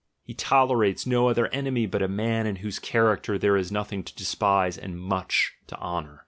He tolerates no other enemy but a man in whose character there is nothing to despise and much to honour!